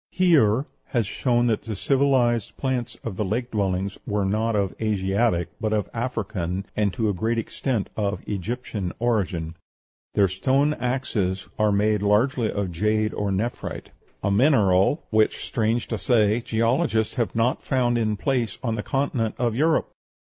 Heer has shown that the civilized plants of the lake dwellings are not of Asiatic, but of African, and, to a great extent, of Egyptian origin. Their stone axes are made largely of jade or nephrite, "a mineral which, strange to say, geologists have not found in place on the continent of Europe."